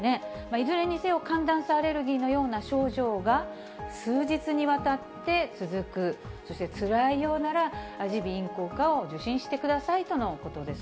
いずれにせよ、寒暖差アレルギーのような症状が、数日にわたって続く、そしてつらいようなら、耳鼻咽喉科を受診してくださいとのことです。